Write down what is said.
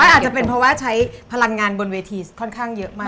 อาจจะเป็นเพราะว่าใช้พลังงานบนเวทีค่อนข้างเยอะมาก